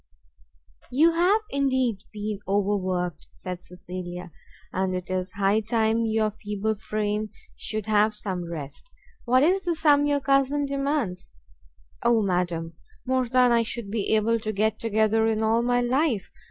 "You have indeed been overworked," said Cecilia, "and it is high time your feeble frame should have some rest. What is the sum your cousin demands?" "O madam, more than I should be able to get together in all my life!